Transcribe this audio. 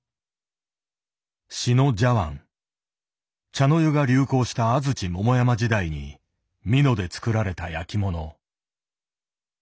茶の湯が流行した安土桃山時代に美濃で作られた焼きもの。